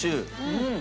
うん。